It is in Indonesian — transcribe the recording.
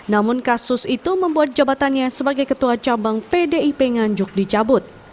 namun kasus itu membuat jabatannya sebagai ketua cabang pdip nganjuk dicabut